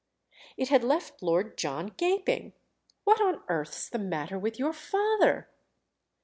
It had left Lord John gaping. "What on earth's the matter with your father?"